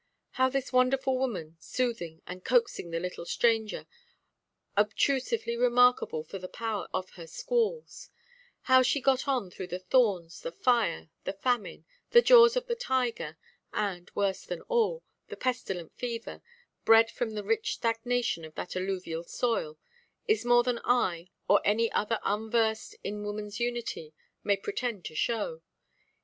How this wonderful woman, soothing and coaxing the little stranger (obtrusively remarkable for the power of her squalls), how she got on through the thorns, the fire, the famine, the jaws of the tiger, and, worse than all, the pestilent fever, bred from the rich stagnation of that alluvial soil, is more than I, or any other unversed in womanʼs unity, may pretend to show.